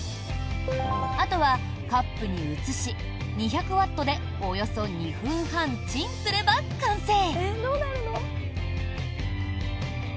あとはカップに移し２００ワットでおよそ２分半チンすれば完成。